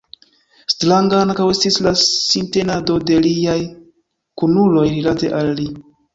Stranga ankaŭ estis la sintenado de liaj kunuloj rilate al li.